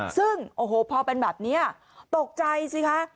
ซึ่งพอเป็นแบบนี้ตกใจสิคะ